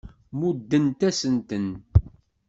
Muddent-asent-ten.